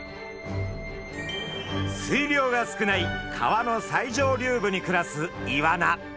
水量が少ない川の最上流部に暮らすイワナ。